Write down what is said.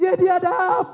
jadi aku akan meminta maaf